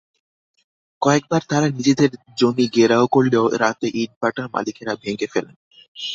কয়েকবার তাঁরা নিজেদের জমি ঘেরাও করলেও রাতে ইটভাটার মালিকেরা ভেঙে ফেলেন।